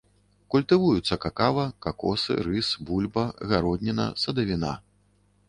Культывуюцца какава, какосы, рыс, бульба, гародніна, садавіна.